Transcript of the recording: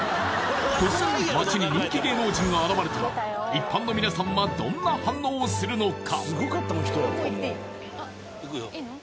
突然街に人気芸能人が現れたら一般のみなさんはどんな反応をするのか？